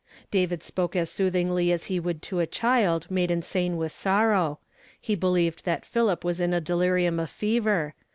David spoke as soothingly as he would to a child made insane with sorrow. He believed that Philip was in the delirium of fever.